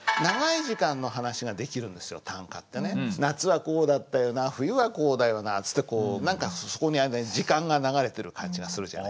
夏はこうだったよな冬はこうだよなつってこう何かそこに時間が流れてる感じがするじゃない。